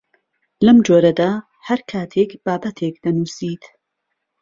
لەم جۆرەدا هەر کاتێک بابەتێک دەنووسیت